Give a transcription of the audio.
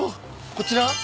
こちらは？